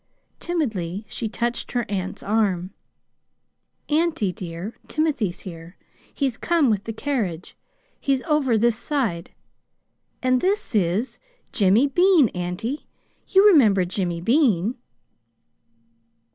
Timidly she touched her aunt's arm. "Auntie, dear, Timothy's here. He's come with the carriage. He's over this side. And this is Jimmy Bean, auntie. You remember Jimmy Bean!"